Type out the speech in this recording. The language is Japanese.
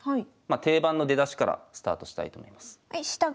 定番の出だしからスタートしたいと思います。